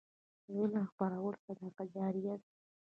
علم خپرول صدقه جاریه ده.